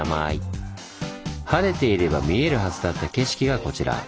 晴れていれば見えるはずだった景色がこちら。